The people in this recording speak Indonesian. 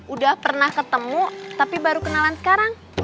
udah pernah ketemu tapi baru kenalan sekarang